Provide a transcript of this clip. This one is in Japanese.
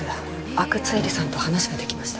阿久津絵里さんと話ができました